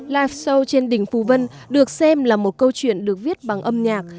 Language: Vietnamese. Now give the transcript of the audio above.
live show trên đỉnh phù vân được xem là một câu chuyện được viết bằng âm nhạc